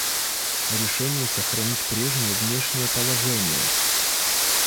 Решение сохранить прежнее внешнее положение.